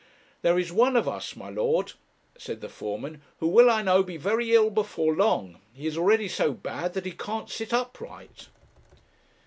'There is one of us, my lord,' said the foreman, 'who will I know be very ill before long; he is already so bad that he can't sit upright.'